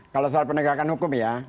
kalau soal penegakan hukum ya